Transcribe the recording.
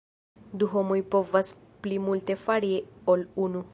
Du homoj povas pli multe fari ol unu.